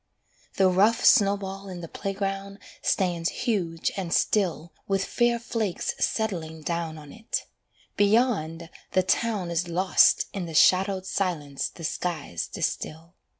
The rough snowball in the playground stands huge and still With fair flakes settling down on it. Beyond, the town Is lost in the shadowed silence the skies distil.